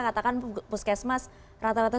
katakan puskesmas rata rata